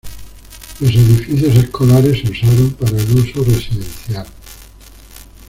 Los edificios escolares se usaron para el uso residencial.